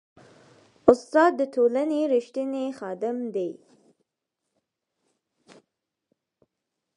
استاد د ټولنې ریښتینی خادم دی.